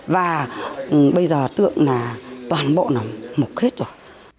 và bây giờ tượng là toàn bộ nằm mục hết rồi